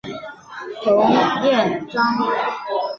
彭彦章。